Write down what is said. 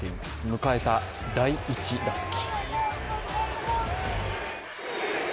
迎えた第１打席。